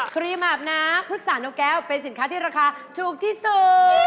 ครีมอาบน้ำพฤกษานกแก้วเป็นสินค้าที่ราคาถูกที่สุด